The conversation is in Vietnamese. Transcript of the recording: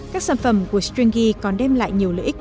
các sản phẩm của stringy còn đem lại nhiều lợi ích